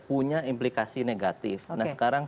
punya implikasi negatif nah sekarang